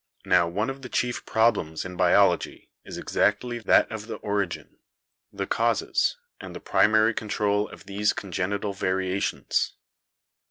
Now one of the chief problems in biology is exactly that of the origin, the causes, and the primary control of these con genital variations.